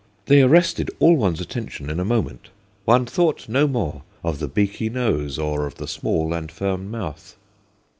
They arrested all one's attention in a moment. One thought no more of the beaky nose, or of the small and firm mouth.